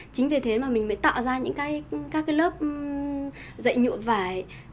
chính vì thế mà mình mới tạo ra những các cái lớp dạy nhuộm vải